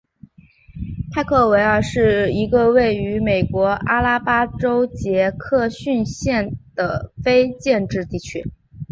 派克维尔是一个位于美国阿拉巴马州杰克逊县的非建制地区。